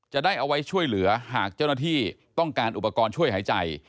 จะได้เอาไว้ช่วยเหลือหากเจ้าหน้าที่ต้องการอุปกรณ์ช่วยหายใจ